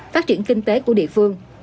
phát triển kinh tế của địa phương